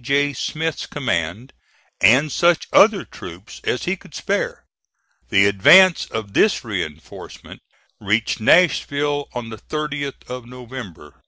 J. Smith's command, and such other troops as he could spare. The advance of this reinforcement reached Nashville on the 30th of November.